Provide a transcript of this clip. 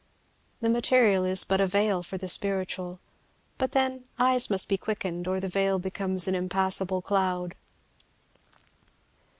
The material is but a veil for the spiritual; but then eyes must be quickened, or the veil becomes an impassable cloud.